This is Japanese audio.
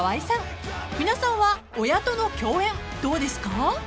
［皆さんは親との共演どうですか？］